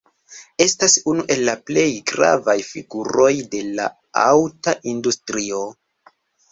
Estas unu el la plej gravaj figuroj de la aŭta industrio.